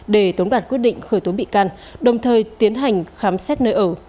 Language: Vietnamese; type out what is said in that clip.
để tốn đoạt quyết định khởi tố bị can đồng thời tiến hành khám xét nơi ở